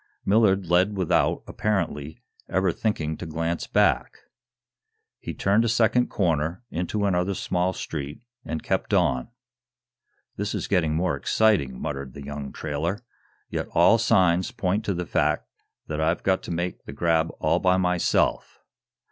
Millard led without, apparently, ever thinking to glance back. He turned a second corner, into another small street, and kept on. "This is getting more exciting," muttered the young trailer. "Yet all signs point to the fact that I've got to make the grab all by myself.